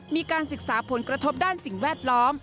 มีการศึกษาผลกระทบด้านสิ่งแวดล้อม